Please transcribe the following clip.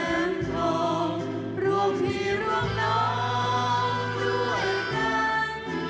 คืนแผ่นแหลมของร่วงพี่ร่วงน้องด้วยกัน